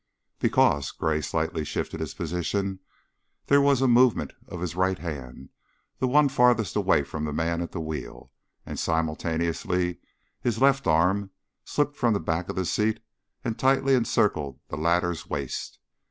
"Because " Gray slightly shifted his position, there was a movement of his right hand the one farthest away from the man at the wheel and simultaneously his left arm slipped from the back of the seat and tightly encircled the latter's waist.